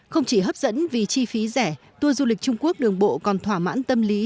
không chỉ hấp dẫn vì chi phí rẻ tour du lịch trung quốc đường bộ còn thỏa mãn tâm lý